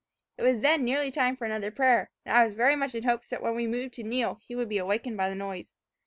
It was then nearly time for another prayer, and I was very much in hopes that when we moved to kneel, he would be awakened by the noise.